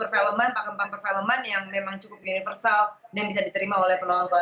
jadi misalkan kita menggunakan ilmu ilmu pakem pakem yang memang cukup universal dan bisa diterima oleh penonton